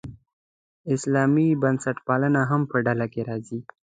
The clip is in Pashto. اسلامي بنسټپالنه هم په ډله کې راځي.